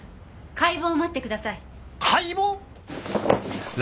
解剖！？